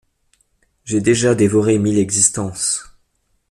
J’ai déjà dévoré mille existences.